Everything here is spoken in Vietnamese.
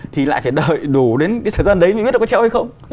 thì lại phải đợi đủ đến cái thời gian đấy mình biết là có treo hay không